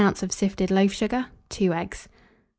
of sifted loaf sugar, 2 eggs.